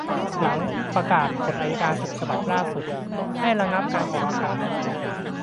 หลังประกาศกฎอัยการฉบับล่าสุดให้ระงับการออกอากาศ